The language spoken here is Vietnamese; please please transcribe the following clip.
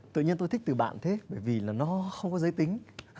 tự nhiên tôi thích từ bạn thế bởi vì là nó không có giới tính